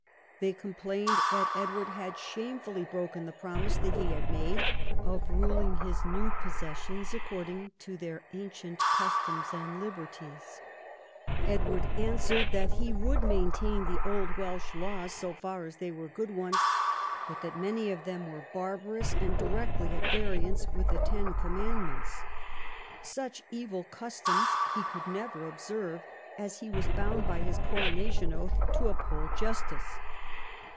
They complained that Edward had shamefully broken the promise that he had made of ruling his new possessions according to their ancient customs and liberties. Edward answered that he would maintain the old Welsh laws so far as they were good ones, but that many of them were barbarous and directly at variance Avith the Ten Com mandments. Such evil customs he could never observe, as he was bound by his coronation oath to uphold justice.